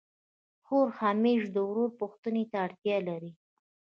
خور همېشه د ورور پوښتني ته اړتیا لري.